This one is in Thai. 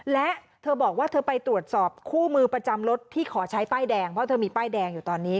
และเธอบอกว่าเธอไปตรวจสอบคู่มือประจำรถที่ขอใช้ป้ายแดงเพราะเธอมีป้ายแดงอยู่ตอนนี้